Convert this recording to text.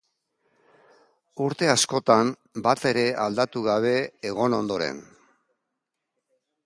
Urte askotan batere aldatu gabe egon ondoren.